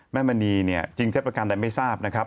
แม่มณีเนี่ยจริงเทศประกันแต่ไม่ทราบนะครับ